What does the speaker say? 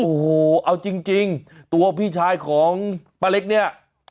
โอ้โหเอาจริงตัวพี่ชายของป้าเล็กเนี่ย